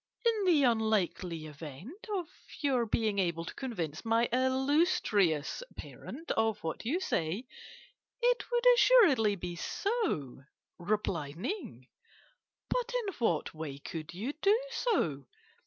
"'In the unlikely event of your being able to convince my illustrious parent of what you say, it would assuredly be so,' replied Ning. 'But in what way could you do so?